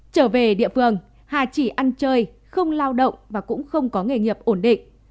trở về địa phương hà chỉ ăn chơi không lao động và cũng không có nghề nghiệp ổn định